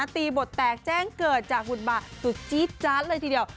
ตีบทแปลงกับจังเกิดจากหุตบาทสุจิใจที่เดียว